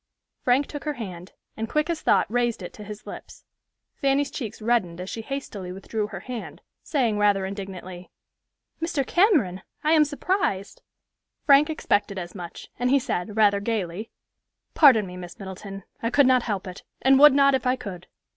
Frank took her hand, and quick as thought raised it to his lips. Fanny's cheeks reddened as she hastily withdrew her hand, saying rather indignantly, "Mr. Cameron, I am surprised!" Frank expected as much, and he said, rather gayly, "Pardon me, Miss Middleton, I could not help it, and would not if I could.